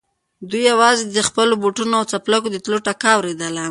دوی يواځې د خپلو بوټونو او څپلکو د تلو ټکا اورېدله.